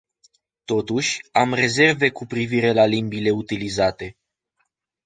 Totuși, am rezerve cu privire la limbile utilizate.